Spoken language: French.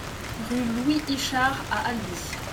Rue Louis Ichard à Albi